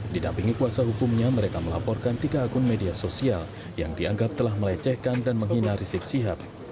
didampingi kuasa hukumnya mereka melaporkan tiga akun media sosial yang dianggap telah melecehkan dan menghina rizik sihab